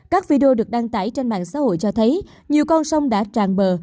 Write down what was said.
các video được đăng tải trên mạng xã hội cho thấy nhiều con sông đã tràn bờ